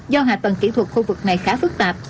do hạ tầng kỹ thuật khu vực này khá phức tạp